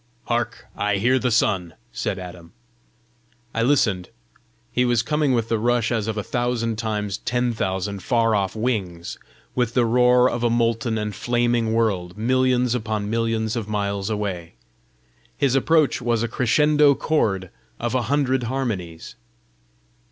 "Hark! I hear the sun," said Adam. I listened: he was coming with the rush as of a thousand times ten thousand far off wings, with the roar of a molten and flaming world millions upon millions of miles away. His approach was a crescendo chord of a hundred harmonies.